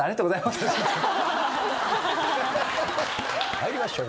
参りましょう。